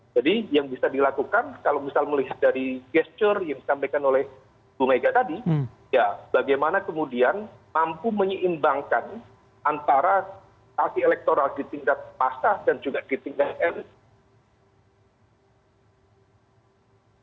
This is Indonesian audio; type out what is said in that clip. jadi yang bisa dilakukan kalau misalnya melihat dari gesture yang disampaikan oleh bung ega tadi ya bagaimana kemudian mampu menyeimbangkan antara aspek elektoral di tingkat masa dan juga di tingkat elit